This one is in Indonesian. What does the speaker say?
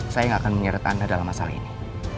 saya nggak akan menyertakannya dalam masalah ini